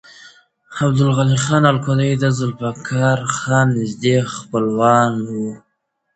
عبدالغني خان الکوزی د ذوالفقار خان نږدې خپلوان و.